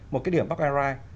một cái điểm bắc an rai